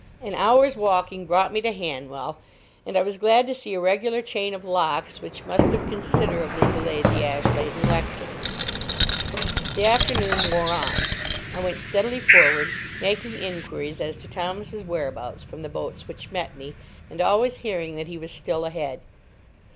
An hour's walking brought me to Hanwell, and I was glad to see a regular chain of locks which must have considerably delayed the Ashlade and Lechton. The afternoon wore on. I went steadily forward, making inquiries as to Thomas's whereabouts from the boats which met me, and always hearing that he was still ahead.